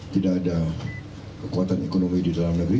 tidak ada kekuatan ekonomi di dalam negeri